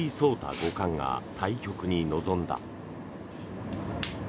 五冠が対局に臨んだ。